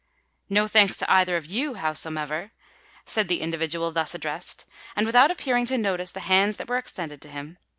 "No thanks to either of you, howsomever," said the individual thus addressed, and without appearing to notice the hands that were extended to him.